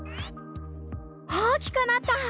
大きくなった！